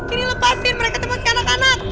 ini lepasin mereka temukan anak anak